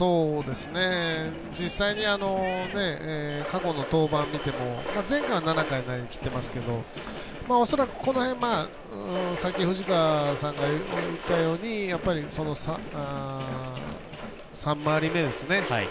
実際に過去の登板見ても前回は７回を投げきってますけど恐らくこの辺、さっき藤川さんが言ったように３回り目ですね。